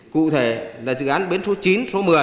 cụ thể là dự án bến số chín số một mươi